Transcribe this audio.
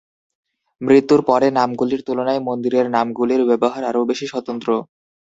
মৃত্যুর পরে নামগুলির তুলনায় মন্দিরের নামগুলির ব্যবহার আরও বেশি স্বতন্ত্র।